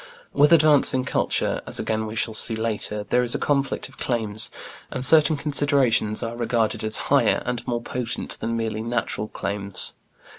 With advancing culture as again we shall see later there is a conflict of claims, and certain considerations are regarded as "higher" and more potent than merely "natural" claims.